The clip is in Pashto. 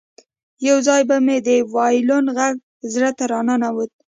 یو ځای به مې د وایلون غږ زړه ته راننوت